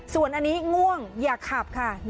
ส่วนอันนี้ง่วงอย่าขับค่ะ